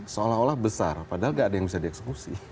seolah olah besar padahal gak ada yang bisa dieksekusi